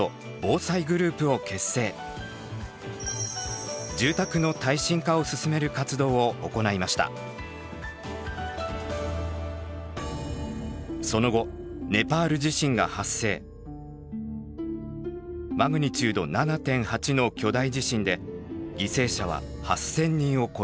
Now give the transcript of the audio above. マグニチュード７．８の巨大地震で犠牲者は８，０００人を超えました。